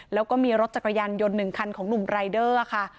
แล้วก็มีรถจักรยานยนต์๑คันของหนุ่มรายเดอร์ค่ะ